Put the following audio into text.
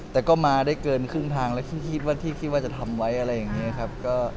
แต่ก็มาได้เกินครึ่งทางแล้วคิดว่าที่คิดว่าจะทำไว้อะไรอย่างนี้ครับ